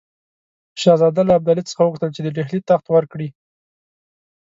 شهزاده له ابدالي څخه وغوښتل چې د ډهلي تخت ورکړي.